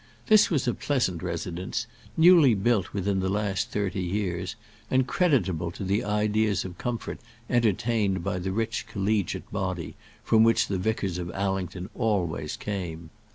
This was a pleasant residence, newly built within the last thirty years, and creditable to the ideas of comfort entertained by the rich collegiate body from which the vicars of Allington always came.